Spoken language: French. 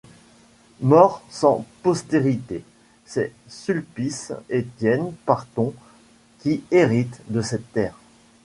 Mort sans postérité, c'est Sulpice-Étienne Parthon qui hérite de cette terre.